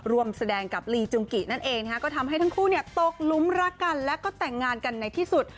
ร่วมแสดงกับลีจุงกินั่นเองก็ทำให้ทั้งคู่ตกลุมรักกันแล้วก็แต่งงานกันในที่สุด